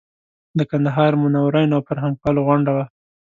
د کندهار منورینو او فرهنګپالو غونډه وه.